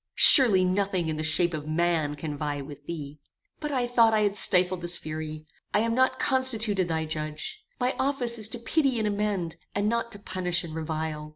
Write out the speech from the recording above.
Surely nothing in the shape of man can vie with thee! "But I thought I had stifled this fury. I am not constituted thy judge. My office is to pity and amend, and not to punish and revile.